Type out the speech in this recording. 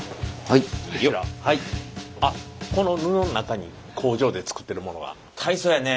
この布の中に工場で作ってるものが？